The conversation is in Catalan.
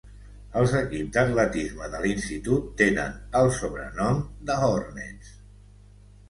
Els equips d'atletisme de l'institut tenen el sobrenom de Hornets.